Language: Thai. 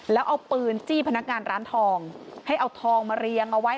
แล้วเอาปืนจี้พนักงานร้านทองให้เอาทองมาเรียงเอาไว้